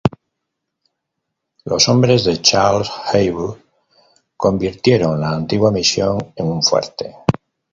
Los hombres de Charles Heywood convirtieron la antigua misión en un fuerte.